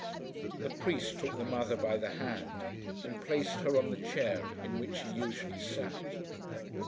The priest took the mother by the hand and placed her on the chair in which she usually sat.